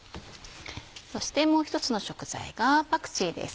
そしてもう一つの食材がパクチーです。